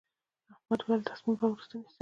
احمد وويل: تصمیم به وروسته نیسم.